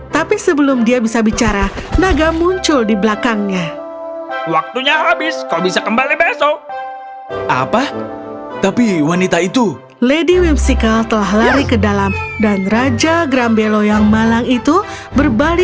tapi sebelum dia berjalan lady whimsical menangis